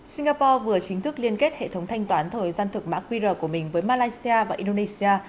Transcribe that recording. singapore vừa chính thức liên kết hệ thống thanh toán thời gian thực mã qr của mình với malaysia và indonesia